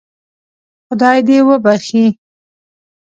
خدای دې وبخښي.